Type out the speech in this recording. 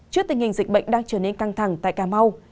trước tình hình dịch bệnh đang trở nên căng thẳng tại cà mau